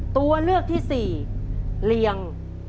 ตัวเลือกที่สี่เรียง